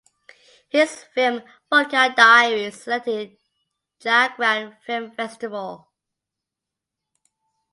His film Vodka Diaries selected in Jagran Film Festival.